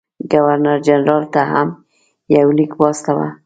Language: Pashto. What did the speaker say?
ګورنر جنرال ته هم یو لیک واستاوه.